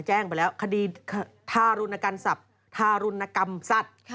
แจ้งไปแล้วคดีทารุณกรรมศัพท์ทารุณกรรมสัตว์